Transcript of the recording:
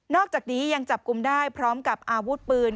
อกจากนี้ยังจับกลุ่มได้พร้อมกับอาวุธปืน